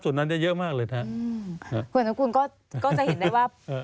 คุณสมคุณก็จะเห็นได้ว่า